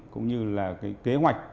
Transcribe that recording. cũng như là kế hoạch